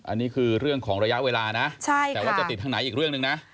อันนี้คือเรื่องของระยะเวลานะแต่ว่าจะติดทางไหนอีกเรื่องหนึ่งนะ